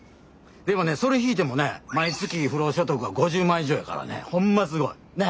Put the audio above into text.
でもねそれ引いてもね毎月不労所得が５０万以上やからねほんますごい。ね？